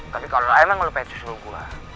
tapi kalau emang lo pake susul gue